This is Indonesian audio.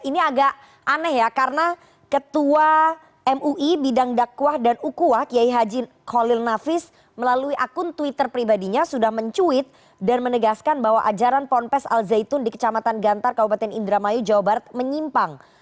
ini agak aneh ya karena ketua mui bidang dakwah dan ukuah kiai haji khalil nafis melalui akun twitter pribadinya sudah mencuit dan menegaskan bahwa ajaran ponpes al zaitun di kecamatan gantar kabupaten indramayu jawa barat menyimpang